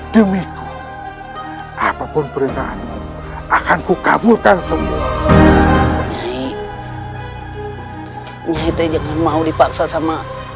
demi apapun perintah akan kukabulkan semua nyai nyai teh jangan mau dipaksa sama